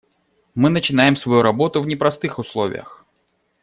Мы начинаем свою работу в непростых условиях.